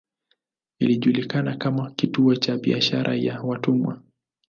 Ilijulikana kama kituo cha biashara ya watumwa.